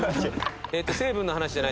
えっ？